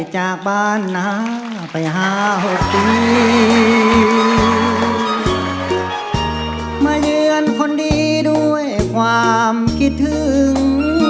จากบ้านนาไปห้าหกปีมาเยือนคนดีด้วยความคิดถึง